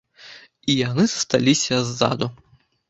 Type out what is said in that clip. І яны засталіся ззаду.